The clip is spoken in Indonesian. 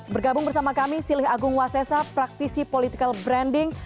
bergabung bersama kami silih agung wasesa praktisi political branding